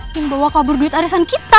yang bawa kabur duit arisan kita